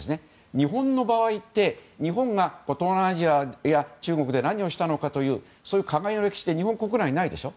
日本の場合って日本が、東南アジアや中国で何をしたのかというそういう加害の歴史というのは日本国内にはないでしょ。